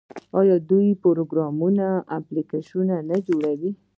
آیا دوی پروګرامونه او اپلیکیشنونه نه جوړوي؟